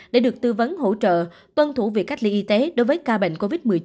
để được tư vấn hỗ trợ tuân thủ việc cách ly y tế đối với ca bệnh covid một mươi chín